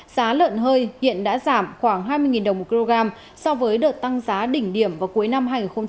giá lợn hơi hiện đã giảm khoảng hai mươi đồng một kg so với đợt tăng giá đỉnh điểm vào cuối năm hai nghìn một mươi tám